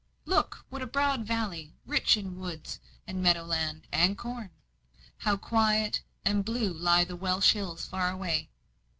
"Look, what a broad valley, rich in woods, and meadow land, and corn. How quiet and blue lie the Welsh hills far away.